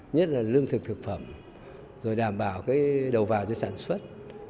nhất là lương thực thực phẩm rồi đảm bảo cái đầu vào cho sản xuất